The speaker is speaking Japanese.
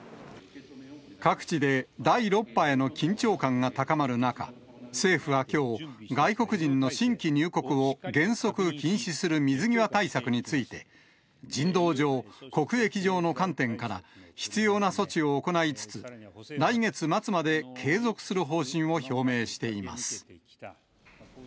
各地で第６波への緊張感が高まる中、政府はきょう、外国人の新規入国を原則禁止する水際対策について、人道上、国益上の観点から、必要な措置を行いつつ、来月末まで継続する方針を表明しています。